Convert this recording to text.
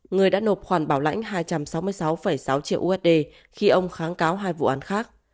người đã nộp khoản bảo lãnh hai trăm sáu mươi sáu sáu triệu usd khi ông kháng cáo hai vụ án khác